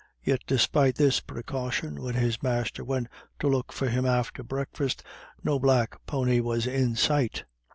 Yet despite this precaution, when his master went to look for him after breakfast, no black pony was in sight.